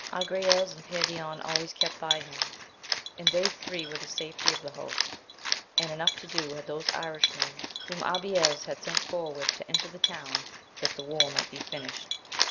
Agrayes and Perion always kept by him, and they three were the safety of the host, and enough to do had these Irishmen whom Abies liad aeti\» terw^^^f^^"^^^ 54 AMADIS OF GAUL. the town, that the war might be finished.